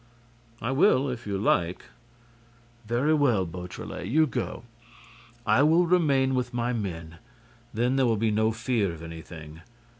"I will, if you like—" "Very well, Beautrelet, you go. I will remain with my men—then there will be no fear of anything.